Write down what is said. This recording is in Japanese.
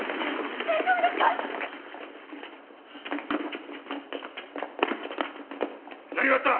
大丈夫ですか！？何があった！